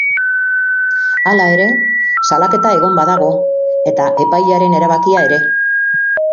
Hala ere, salaketa egon badago, eta epailearen erabakia ere.